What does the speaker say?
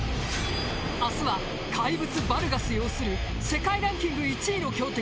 明日は怪物バルガス擁する世界ランキング１位の強敵